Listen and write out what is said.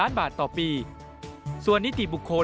๕เงินจากการรับบริจาคจากบุคคลหรือนิติบุคคล